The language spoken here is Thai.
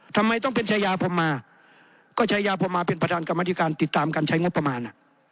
ทำไมต้องเป็นชายาพรมมาก็ชายาพรมมาเป็นประธานกรรมธิการติดตามการใช้งบประมาณ